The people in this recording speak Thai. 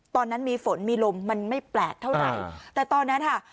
ตอนนั้นมีฝนมีลมมันไม่แปลกเท่าไหร่แต่ตอนนั้นค่ะ